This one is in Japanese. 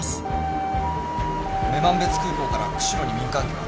女満別空港から釧路に民間機は？